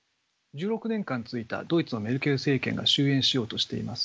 １６年間続いたドイツのメルケル政権が終焉しようとしています。